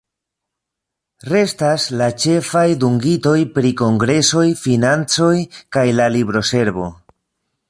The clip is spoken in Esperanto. Restas la ĉefaj dungitoj pri Kongresoj, financoj kaj la libroservo.